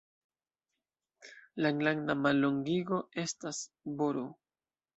La enlanda mallongigo estas Br.